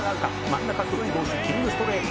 「真ん中黒い帽子キングストレイルだ」